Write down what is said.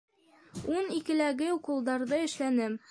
Ун икеләге уколдарҙы эшләнем.